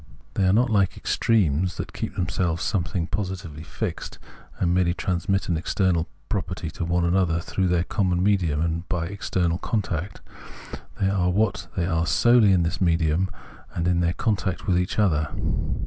They are not hke extremes, that keep to themselves some thing positively fixed, and merely transmit an external property to one another through their common medium and by external contact : they are what they are solely in this mediimi and in their contact with each other.